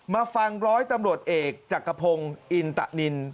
มาฟังร้อยตำรวจเอกจักรพงศ์อินตะนิน